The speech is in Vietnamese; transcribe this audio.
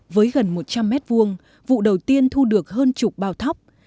với gần một trăm linh mét vuông vụ đầu tiên thu được hơn chục bao thóc